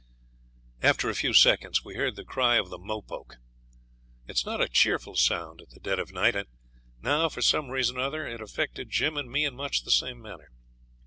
After a few seconds we heard the cry of the mopoke. It's not a cheerful sound at the dead of night, and now, for some reason or other, it affected Jim and me in much the same manner.